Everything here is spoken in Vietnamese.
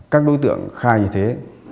các đối tượng khai như thế